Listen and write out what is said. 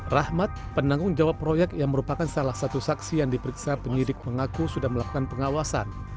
rahmat penanggung jawab proyek yang merupakan salah satu saksi yang diperiksa penyidik mengaku sudah melakukan pengawasan